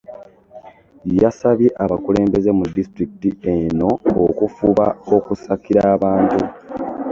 Yasabye abakulembeze mu disitulikiti eno okufuba okusakira abantu